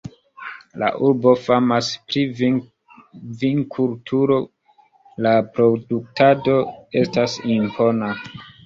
La urbo famas pri vinkulturo, la produktado estas impona.